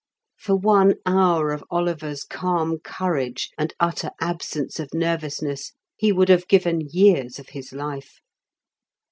For one hour of Oliver's calm courage and utter absence of nervousness he would have given years of his life.